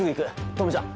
朋美ちゃん